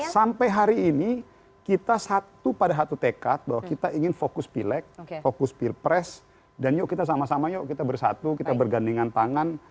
sampai hari ini kita satu pada satu tekad bahwa kita ingin fokus pilek fokus pilpres dan yuk kita sama sama yuk kita bersatu kita bergandengan tangan